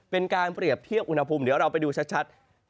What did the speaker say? เป็นการเปรียบเทียบอุณหภูมิเดี๋ยวเราไปดูชัด